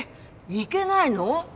行けないの？